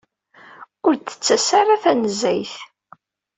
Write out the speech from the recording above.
Ur d-tettas ara tanezzayt.